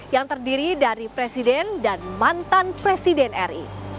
yang terdiri dari presiden dan mantan presiden ri